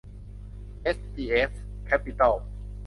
เอสจีเอฟ แคปปิตอล